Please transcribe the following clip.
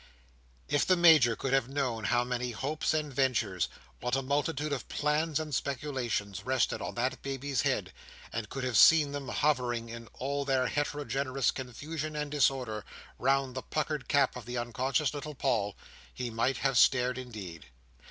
If the Major could have known how many hopes and ventures, what a multitude of plans and speculations, rested on that baby head; and could have seen them hovering, in all their heterogeneous confusion and disorder, round the puckered cap of the unconscious little Paul; he might have stared indeed.